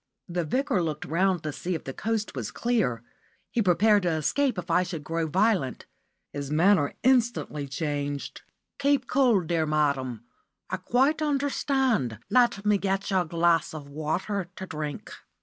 The Vicar looked round to see if the coast was clear. He prepared to escape if I should grow violent. His manner instantly changed. "Keep cool, dear madam. I quite understand. Let me get you a glass of water to drink."